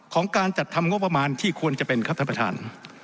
การจัดทำงบประมาณที่ควรจะเป็นครับท่านประธาน